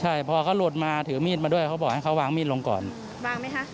ใช่พอเขาหลุดมาถือมีดมาด้วยเขาบอกให้เขาวางมีดลงก่อนวางไหมคะ